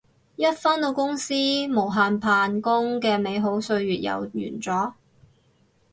一返到公司無限扮工嘅美好歲月又完咗